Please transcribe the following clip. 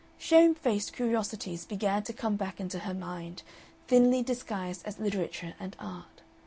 Shamefaced curiosities began to come back into her mind, thinly disguised as literature and art.